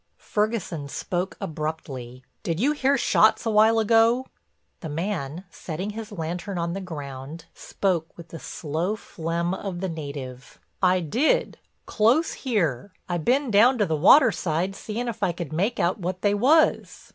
Ferguson spoke abruptly: "Did you hear shots a while ago?" The man setting his lantern on the ground, spoke with the slow phlegm of the native: "I did—close here. I bin down to the waterside seein' if I could make out what they was."